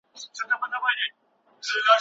د پښو توازن په لوبو ښه کېږي.